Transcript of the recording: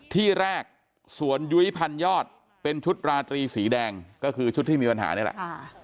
ที่แรกสวนยุ้ยพันยอดเป็นชุดราตรีสีแดงก็คือชุดที่มีปัญหานี่แหละ